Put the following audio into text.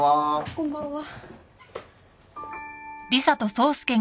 こんばんは。